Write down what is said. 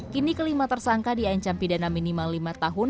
kini kelima tersangka diancam pidana minimal lima tahun